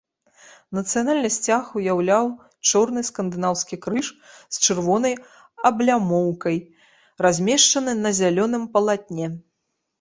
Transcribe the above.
Нацыянальны сцяг уяўляў чорны скандынаўскі крыж з чырвонай аблямоўкай, размешчаны на зялёным палатне.